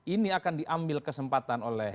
ini akan diambil kesempatan oleh